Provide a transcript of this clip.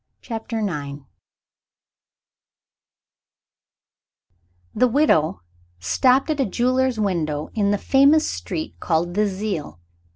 CHAPTER IX The widow stopped at a jeweler's window in the famous street called the Zeil.